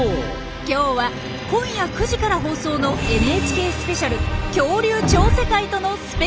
今日は今夜９時から放送の「ＮＨＫスペシャル恐竜超世界」とのスペシャルコラボ！